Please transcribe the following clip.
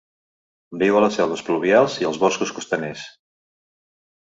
Viu a les selves pluvials i els boscos costaners.